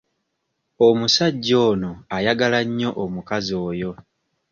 Omusajja ono ayagala nnyo omukazi oyo.